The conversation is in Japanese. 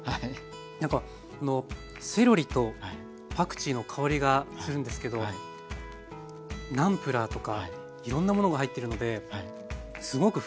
何かあのセロリとパクチーの香りがするんですけどナンプラーとかいろんなものが入ってるのですごく複雑なうまみですね。